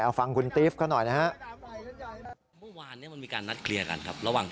เอาฟังคุณตรีฟกันหน่อยนะครับ